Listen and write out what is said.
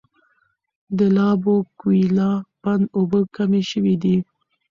د لابوکویلا بند اوبه کمې شوي دي.